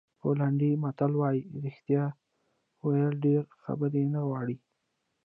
پولنډي متل وایي رښتیا ویل ډېرې خبرې نه غواړي.